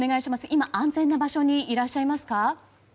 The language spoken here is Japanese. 今、安全な場所にいらっしゃいますか？